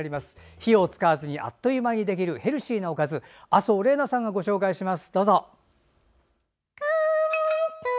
火を使わずにあっという間にできるヘルシーなおかずを麻生怜菜さんがご紹介します。